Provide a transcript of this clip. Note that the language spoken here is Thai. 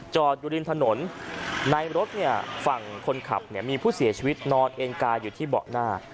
อยู่ริมถนนในรถเนี่ยฝั่งคนขับเนี่ยมีผู้เสียชีวิตนอนเองกายอยู่ที่เบาะหน้า